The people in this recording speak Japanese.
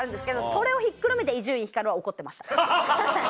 それをひっくるめて伊集院光は怒ってました。